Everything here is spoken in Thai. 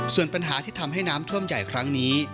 ส่วนปัญหาที่ทำให้น้ำท่วมใหญ่ครั้งนี้